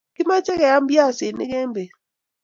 Kimache keyam biasiniki en bet